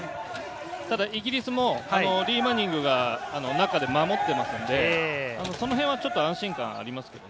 ただイギリスもマニングが中で守っていますので、そのへんは安心感がありますね。